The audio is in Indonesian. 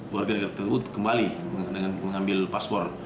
warga negara tersebut kembali dengan mengambil paspor